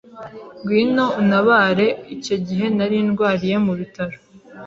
ngwino untabare icyo gihe nari ndwariye mu bitaro